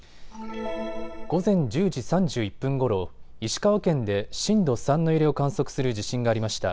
午前１０時３１分ごろ、石川県で震度３の揺れを観測する地震がありました。